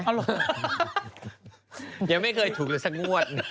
เอ้าเหรอยังไม่เคยถูกหรือสักมวด